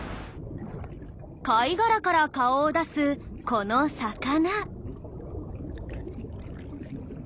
貝殻から顔を出すこの魚。